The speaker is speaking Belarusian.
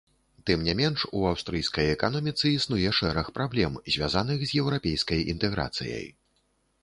Тым не менш, у аўстрыйскай эканоміцы існуе шэраг праблем, звязаных з еўрапейскай інтэграцыяй.